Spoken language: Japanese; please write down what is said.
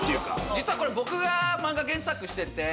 実は僕が漫画原作してて。